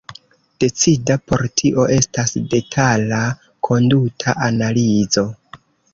Decida por tio estas detala konduta analizo.